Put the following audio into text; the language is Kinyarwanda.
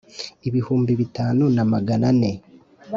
ibihumbi bitanu na Magana ane